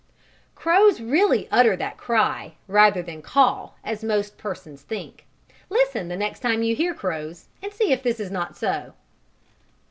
Crows really utter that cry, rather than "Caw!" as most persons think. Listen the next time you hear crows, and see if this is not so.